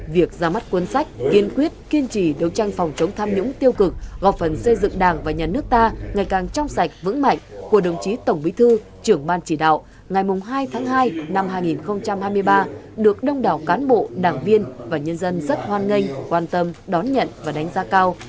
việc ra mắt cuốn sách kiên quyết kiên trì đấu tranh phòng chống tham nhũng tiêu cực góp phần xây dựng đảng và nhà nước ta ngày càng trong sạch vững mạnh của đồng chí tổng bí thư trưởng ban chỉ đạo ngày hai tháng hai năm hai nghìn hai mươi ba được đông đảo cán bộ đảng viên và nhân dân rất hoan nghênh quan tâm đón nhận và đánh giá cao